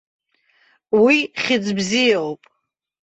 Уи хьыӡ бзиоуп.